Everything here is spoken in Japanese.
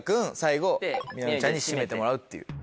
最後美波ちゃんに締めてもらうっていう。